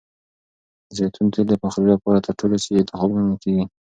د زیتون تېل د پخلي لپاره تر ټولو صحي انتخاب ګڼل کېږي.